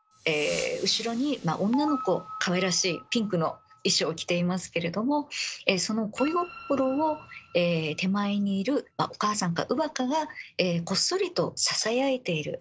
後ろに女の子かわいらしいピンクの衣装を着ていますけれどもその恋心を手前にいるお母さんか乳母かがこっそりとささやいている。